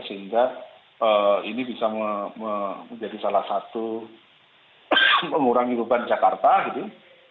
sehingga ini bisa menjadi salah satu pengurang ibu bantuan jakarta gitu